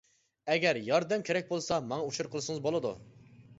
ئەگەر ياردەم كېرەك بولسا ماڭا ئۇچۇر قىلسىڭىز بولىدۇ.